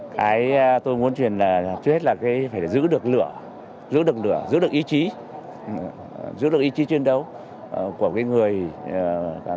cái tôi muốn truyền là trước hết là phải giữ được lửa giữ được lửa giữ được ý chí giữ được ý chí chiến đấu của người công an nhân dân